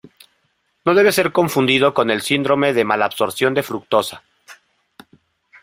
No debe ser confundido con el síndrome de malabsorción de fructosa.